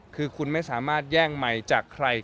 คือคุณไม่สามารถแย่งใหม่จากใคร